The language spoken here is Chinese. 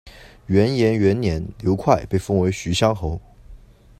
元延元年刘快被封为徐乡侯。